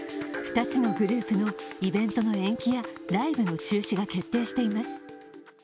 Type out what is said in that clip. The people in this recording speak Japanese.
２つのグループのイベントの延期やライブの中止が決定しています。